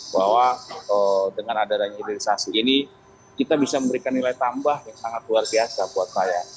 bahwa dengan adanya hilirisasi ini kita bisa memberikan nilai tambah yang sangat luar biasa buat saya